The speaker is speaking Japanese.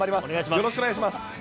よろしくお願いします。